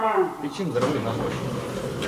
Ти чим заробив на гроші?